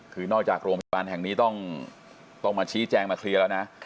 คือนอกจากโรงพยาบาลแห่งนี้ต้องมาชี้แจงมาเคลียร์แล้วนะ